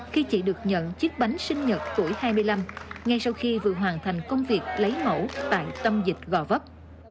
khi chị được nhận chiếc bánh sinh nhật tuổi hai mươi năm ngay sau khi vừa hoàn thành công việc lấy mẫu tại tâm dịch gò vấp